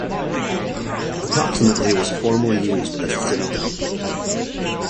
Approximately was formerly used as the city dump.